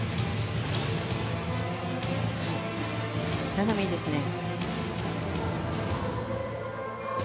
斜め、いいですね。